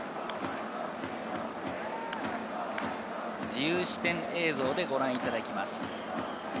自由視点映像でご覧いただきます。